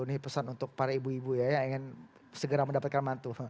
ini pesan untuk para ibu ibu ya yang ingin segera mendapatkan mantu